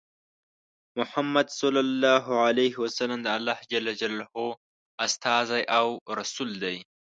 محمد ص د الله ج استازی او رسول دی.